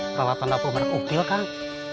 peralatan dapur merek upil kang